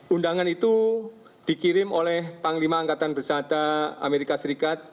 undangan itu dikirim oleh panglima angkatan beserta amerika serikat